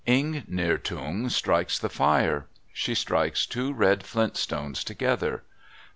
Ingnirtung strikes the fire. She strikes two red flint stones together.